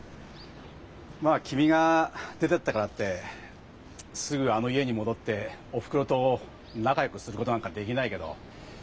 まあ君が出てったからってすぐあの家に戻っておふくろと仲よくすることなんかできないけど。